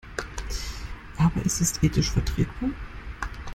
Aber ist es ethisch vertretbar?